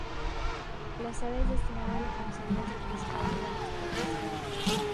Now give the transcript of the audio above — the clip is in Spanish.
La sal es destinada a las conservas de pescado o a la exportación.